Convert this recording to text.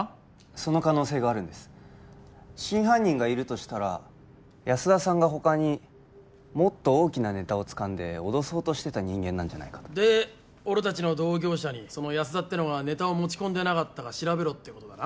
その可能性があるんです真犯人がいるとしたら安田さんが他にもっと大きなネタをつかんで脅そうとしてた人間なんじゃないかとで俺達の同業者にその安田ってのがネタを持ち込んでなかったか調べろってことかな？